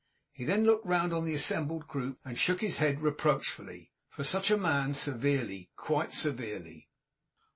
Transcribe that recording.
He then looked round on the assembled group, and shook his head reproachfully. For such a man severely, quite severely.